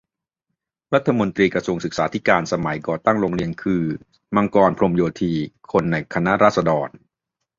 รัฐมนตรีกระทรวงศึกษาธิการสมัยก่อตั้งโรงเรียนคือ มังกร พรหมโยธี คนในคณะราษฎร